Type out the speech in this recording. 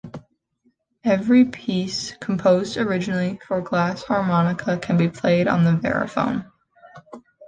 Every piece composed originally for glass harmonica can be played on the verrophone.